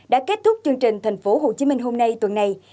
đã kết thúc chương trình tp hcm hôm nay tuần này